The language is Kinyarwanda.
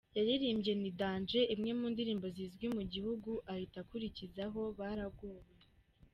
Yaririmbye ’Ni danger’, imwe mu ndirimbo zizwi mu gihugu ahita kurikizaho ’Baragowe’.